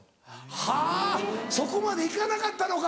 はそこまで行かなかったのか！